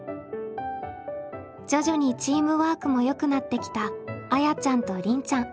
徐々にチームワークもよくなってきたあやちゃんとりんちゃん。